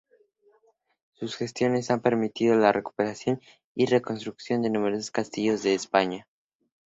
Sus gestiones han permitido la recuperación y reconstrucción de numerosos castillos de España.